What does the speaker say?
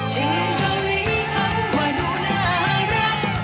เฮ้เขามีคำว่าดูน่ารัก